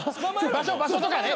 場所とかね。